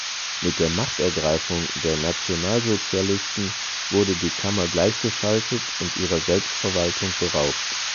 Mit der Machtergreifung der Nationalsozialisten wurde die Kammer gleichgeschaltet und ihrer Selbstverwaltung beraubt.